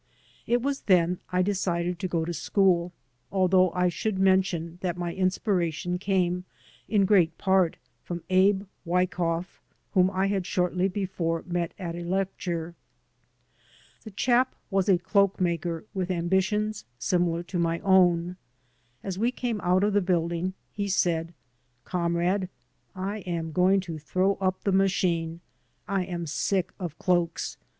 It was then I decided to go to school, although I should mention that my inspiration came in great part from Abe WykoflF, whom I had shortly before met at a lecture. The chap was a cloak maker with ambitions similar to my own. As we came out of the building he said: "Comrade, I am going to throw up the machine. I am sick of cloaks.